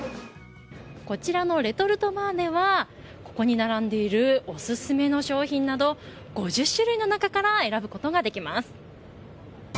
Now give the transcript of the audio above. こちらのレトルトバーではここに並んでいるオススメの商品など５０種類の中から選ぶことができます。